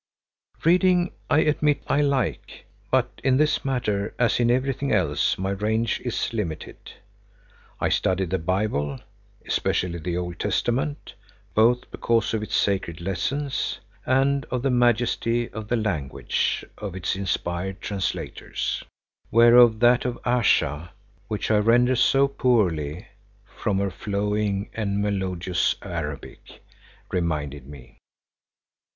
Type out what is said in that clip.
Reading I admit I like, but in this matter, as in everything else, my range is limited. I study the Bible, especially the Old Testament, both because of its sacred lessons and of the majesty of the language of its inspired translators; whereof that of Ayesha, which I render so poorly from her flowing and melodious Arabic, reminded me.